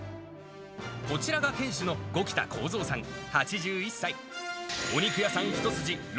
こちらが店主の五木田孝三さん８１歳。